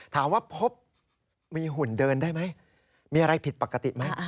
ถามว่าพบมีหุ่นเดินได้ไหมมีอะไรผิดปกติไหม